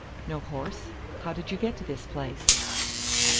"No horse? How did you get to this place?"